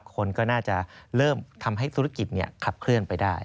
คนก็น่าจะเริ่มทำให้ธุรกิจขับเคลื่อนไปได้